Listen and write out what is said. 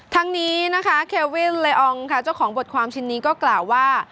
ทั้งนี้นะคะเควินเลองค่ะเจ้าของบทความชิ้นนี้ก็กล่าวว่า